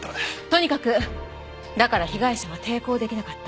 とにかくだから被害者は抵抗できなかった。